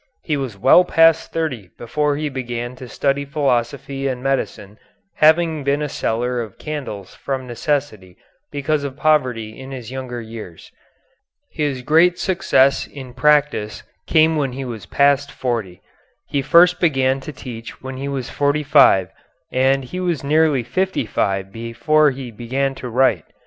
He was well past thirty before he began to study philosophy and medicine, having been a seller of candles from necessity because of poverty in his younger years. His great success in practice came when he was past forty. He first began to teach when he was forty five, and he was nearly fifty five before he began to write.